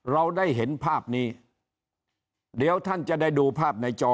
เราได้เห็นภาพนี้เดี๋ยวท่านจะได้ดูภาพในจอ